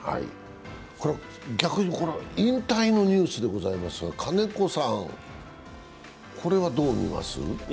逆にこれ引退のニュースでございますが金子さん、これはどう見ます？